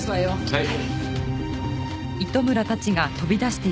はい。